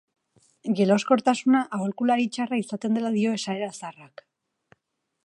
Jeloskortasuna aholkulari txarra izaten dela dio esaera zaharrak.